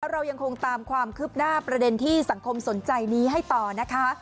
เรายังคงตามความคืบหน้าประเด็นที่สังคมสนใจนี้ให้ต่อนะคะ